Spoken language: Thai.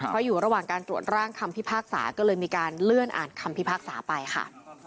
เพราะอยู่ระหว่างการตรวจร่างคำพิพากษาก็เลยมีการเลื่อนอ่านคำพิพากษาไปค่ะ